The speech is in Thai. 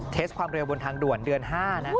เทสความเร็วบนทางด่วนเดือน๕นะ